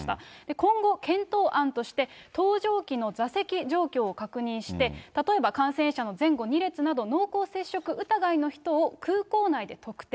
今後、検討案として、搭乗機の座席状況を確認して、例えば感染者の前後２列など、濃厚接触疑いの人を空港内で特定。